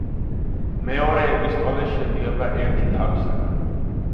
მეორე ეპისტოლე შედგება ერთი თავისაგან.